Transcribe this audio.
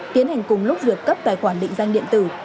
tiến hành cùng lúc việc cấp tài khoản định danh điện tử